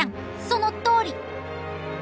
そのとおり！